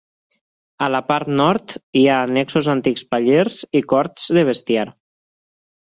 A la part nord hi ha annexos antics pallers i corts de bestiar.